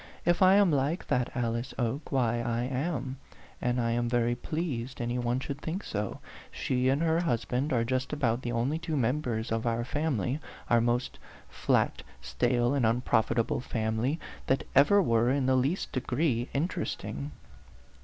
"If I am like that Alice Oke, why I am ; and I am very pleased any one should think so. Ske and her husband are just about the only two members of our family our most flat, stale, and unprofitable family that ever were in the least degree interesting."